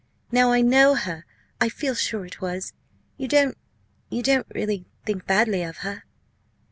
Now I know her I feel sure it was. You don't you don't really think badly of her?"